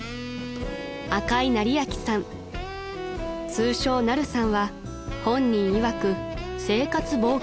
［通称ナルさんは本人いわく生活冒険家］